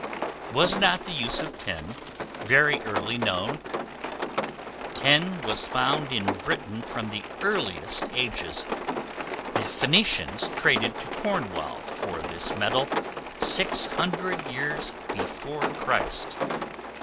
Was not the use of Tin very early known? Tin was found in Britain from the earliest ages; the Phenicians traded to Cornwall for this metal 600 years before Christ.